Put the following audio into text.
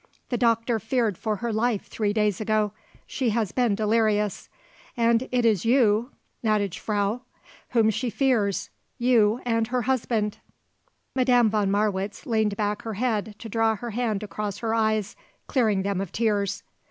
"The doctor feared for her life three days ago. She has been delirious. And it is you, gnädige Frau, whom she fears; you and her husband." Madame von Marwitz leaned back her head to draw her hand across her eyes, clearing them of tears.